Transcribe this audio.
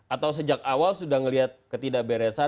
atau sejak awal sudah melihat ketidakberesan